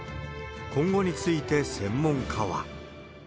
今後について専門家は。